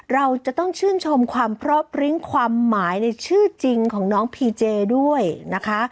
เราจะต้องชื่นชมความเพราะปริ้งความหมายในชื่อจริงของน้องพีเจด้วยนะคะ